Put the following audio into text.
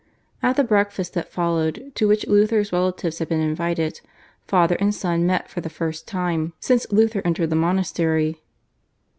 At the breakfast that followed, to which Luther's relatives had been invited, father and son met for the first time since Luther entered the monastery.